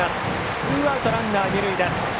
ツーアウトランナー、二塁です。